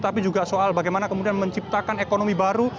tapi juga soal bagaimana kemudian menciptakan ekonomi baru